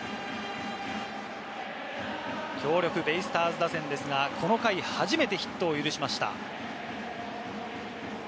強力ベイスターズ打線ですが、この回、初めてヒットを許しました。